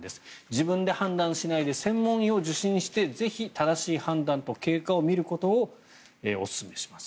自分で判断しないで専門医を受診してぜひ正しい判断と経過を見ることをおすすめします